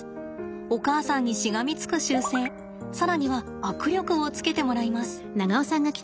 お母さんにしがみつく習性更には握力をつけてもらいます。